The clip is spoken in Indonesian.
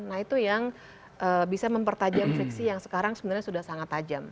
nah itu yang bisa mempertajam friksi yang sekarang sebenarnya sudah sangat tajam